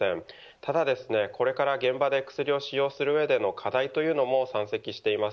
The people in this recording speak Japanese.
ただ、これから現場で薬を使用する上での課題も山積しています。